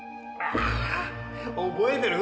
覚えてる？